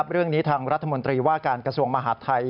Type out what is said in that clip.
เรื่องนี้ทางรัฐมนตรีว่าการกระทรวงมหาดไทย